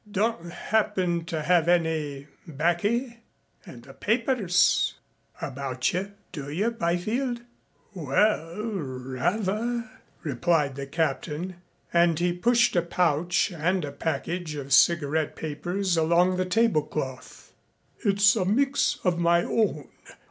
Don't happen to have any 'baccy and papers about you, do you, Byfield?" "Well, rather," replied the captain. And he pushed a pouch and a package of cigarette papers along the tablecloth. "It's a mix of my own.